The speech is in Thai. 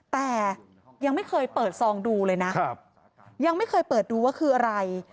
แต่ยังไม่เคยเปิดซองดูเลยนะยังไม่เคยเปิดดูว่าคืออะไร